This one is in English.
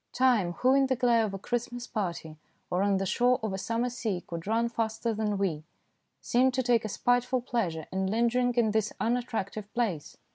Time, who in the glare of a Christmas party or on the shore of a summer sea could run faster than we, seemed to take a spiteful pleasure in lingering in this unattractive place.